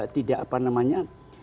tidak apa namanya